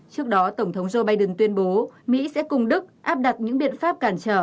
trước đó tổng thống joe biden tuyên bố mỹ sẽ cùng đức áp đặt những biện pháp cản trở